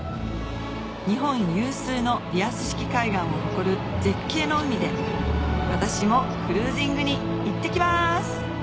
日本有数のリアス式海岸を誇る絶景の海で私もクルージングにいってきます